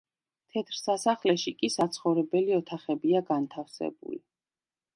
თეთრ სასახლეში კი საცხოვრებელი ოთახებია განთავსებული.